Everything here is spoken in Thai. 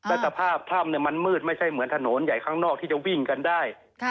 และสภาพถ้ำมันมืดไม่ใช่เหมือนถนนใหญ่ข้างนอกที่จะวิ่งกันได้